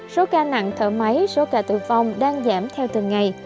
số ca nặng thở máy số ca tử vong đang giảm theo từng ngày